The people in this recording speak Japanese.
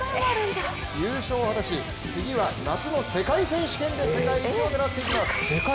優勝を果たし次は夏の世界選手権で世界一を狙っていきます。